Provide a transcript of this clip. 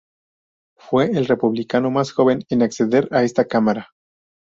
Fue el republicano más joven en acceder a esta Cámara.